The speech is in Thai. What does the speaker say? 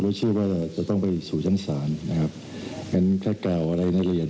แล้วเชื่อว่าจะต้องไปสู่ชั้นศาลนะครับ